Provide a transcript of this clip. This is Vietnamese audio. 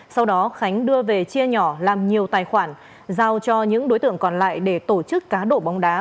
sau đó khánh đưa về chia nhỏ làm nhiều tài khoản giao cho những đối tượng còn lại để tổ chức cá độ bóng đá